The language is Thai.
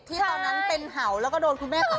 ที่ตอนนั้นเป็นเหาะแล้วก็โดนคุณแม่กระเทิง